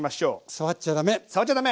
触っちゃ駄目！